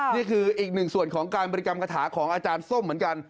นี่คืออีกหนึ่งส่วนของการบริกรรมคาถาของอาจารย์ส้มเหมือนกัน